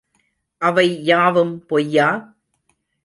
அவை யாவும் பொய்யா?